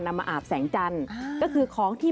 มาอาบแสงจันทร์ก็คือของที่